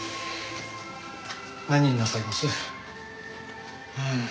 何になさいます？